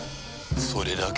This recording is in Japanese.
それだけ？